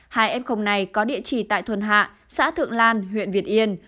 hai f này có địa chỉ tại thôn hạ xã thượng lan huyện việt yên